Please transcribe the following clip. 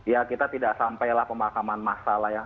ya kita tidak sampailah pemakaman masalah ya